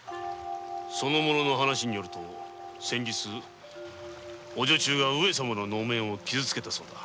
その者の話だと先日御女中が上様の能面を傷つけたそうだ。